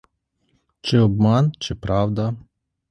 Чи обман, чи правда?